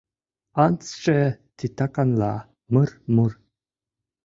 Антсше титаканла: «Мыр-мур!».